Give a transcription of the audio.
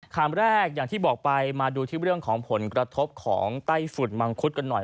คำแรกอย่างที่บอกไปมาดูที่เรื่องของผลกระทบของไต้ฝุ่นมังคุดกันหน่อย